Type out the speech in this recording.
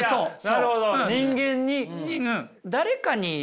なるほど人間に。